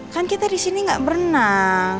kan kita disini gak berenang